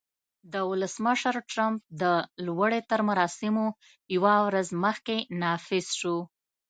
د ولسمشر ټرمپ د لوړې تر مراسمو یوه ورځ مخکې نافذ شو